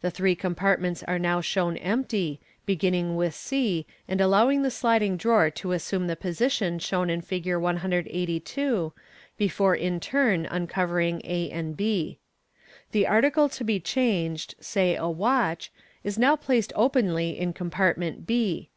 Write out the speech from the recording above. The three compartments are now shown empty, beginning with c, and allowing the sliding drawer to assume the position shown in Fig. 182, before in turn uncovering a and b. The article to be changed (say a watch) is now placed openly in compartment b.